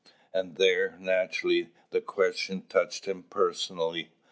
And there, naturally, the question touched him personally.